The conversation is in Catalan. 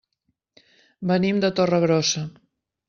Venim de Torregrossa.